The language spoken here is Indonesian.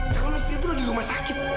kalau misalnya lu lagi di rumah sakit